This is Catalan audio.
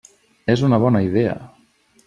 És una bona idea!